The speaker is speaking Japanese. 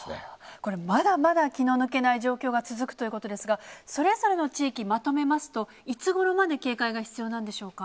これ、まだまだ気の抜けない状況が続くということですが、それぞれの地域、まとめますと、いつごろまで警戒が必要なんでしょうか。